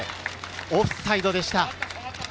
オフサイドでした。